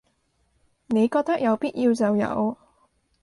你覺得有必要就有